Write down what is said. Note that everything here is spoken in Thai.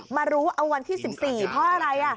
มารู้เอาวันที่๑๔เพราะอะไร